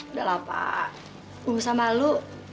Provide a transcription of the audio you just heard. udah lah pak bu sama lu